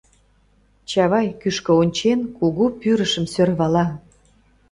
Чавай, кӱшкӧ ончен, кугу пӱрышым сӧрвала: